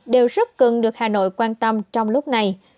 đều rất cần được hà nội quan tâm trong lúc này